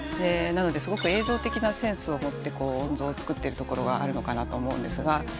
なのですごく映像的なセンスを持って音像をつくってるところがあるのかなと思うんですが。